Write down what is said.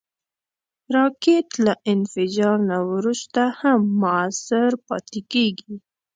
راکټ له انفجار نه وروسته هم مؤثر پاتې کېږي